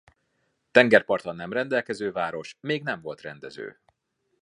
Tengerparttal nem rendelkező város még nem volt rendező.